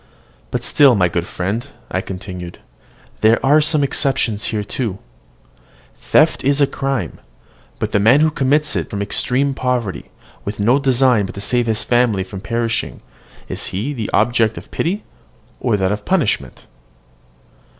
"But still, my good friend," I continued, "there are some exceptions here too. Theft is a crime; but the man who commits it from extreme poverty, with no design but to save his family from perishing, is he an object of pity, or of punishment?